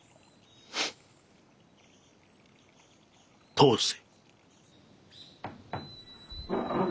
通せ。